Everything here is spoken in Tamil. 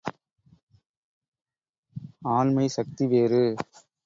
ஆண்மைச் சக்தி வேறு.